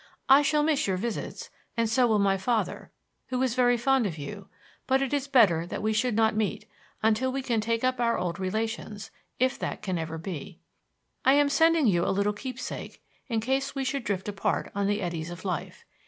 I shall miss your visits, and so will my father, who is very fond of you; but it is better that we should not meet, until we can take up our old relations if that can ever be._ "_I am sending you a little keepsake in case we should drift apart on the eddies of life.